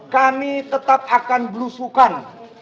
kami tetap akan berusukan